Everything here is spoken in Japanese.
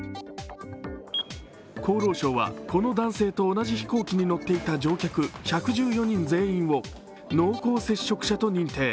厚労省はこの男性と同じ飛行機に乗っていた乗客１１４人全員を濃厚接触者と認定。